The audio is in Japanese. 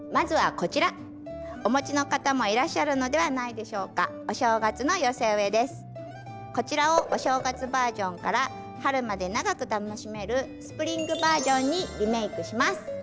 こちらをお正月バージョンから春まで長く楽しめるスプリングバージョンにリメイクします。